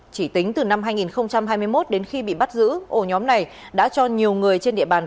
chỉ tính từ năm hai nghìn hai mươi một đến khi bị bắt giữ ổ nhóm này đã cho nhiều người trên địa bàn